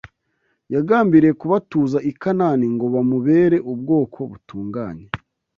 yagambiriye kubatuza i Kanani ngo bamubere ubwoko butunganye